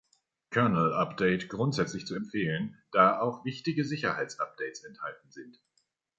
Kernel-update grundsätzlich zu empfehlen, da auch wichtige Sicherheitsupdates enthalten sind.